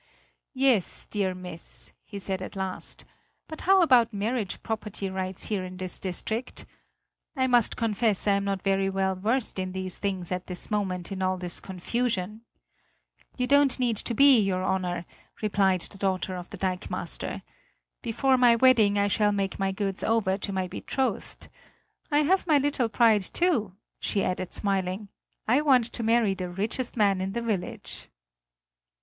"Yes, dear miss," he said at last, "but how about marriage property rights here in this district? I must confess I am not very well versed in these things at this moment in all this confusion." "You don't need to be, your Honor," replied the daughter of the dikemaster, "before my wedding I shall make my goods over to my betrothed. I have my little pride too," she added smiling; "I want to marry the richest man in the village."